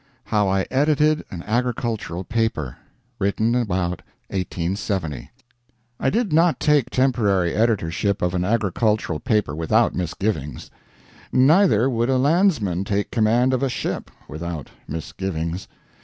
HOW I EDITED AN AGRICULTURAL PAPER [Written about 1870.] I did not take temporary editorship of an agricultural paper without misgivings. Neither would a landsman take command of a ship without misgivings.